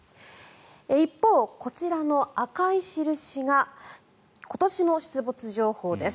一方、こちらの赤い印が今年の出没情報です。